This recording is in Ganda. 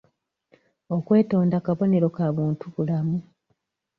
Okwetonda kabonero ka obuntubulamu.